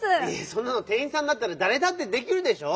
そんなのてんいんさんだったらだれだってできるでしょ！